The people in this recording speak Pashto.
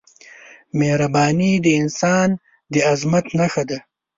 مهرباني د انسان د عظمت نښه ده.